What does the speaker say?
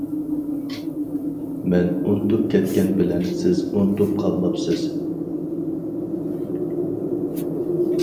مەن ئۇنتۇپ كەتكەن بىلەن سىز ئۇنتۇپ قالماپسىز!